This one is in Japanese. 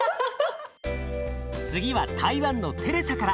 次は台湾のテレサから。